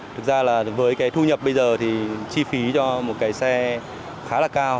thực ra là với cái thu nhập bây giờ thì chi phí cho một cái xe khá là cao